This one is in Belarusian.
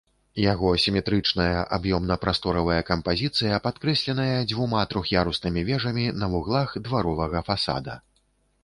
Яго сіметрычная аб'ёмна-прасторавая кампазіцыя падкрэсленая дзвюма трох'яруснымі вежамі на вуглах дваровага фасада.